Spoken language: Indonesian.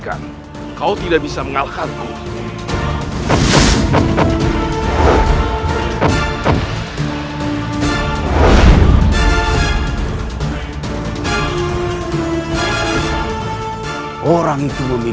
aku akan menemukan sosok asli